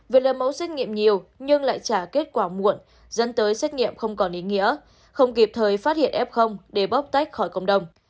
vì lấy mẫu xét nghiệm nhiều nhưng lại trả kết quả muộn dẫn tới xét nghiệm không còn ý nghĩa không kịp thời phát hiện f để bóc tách khỏi cộng đồng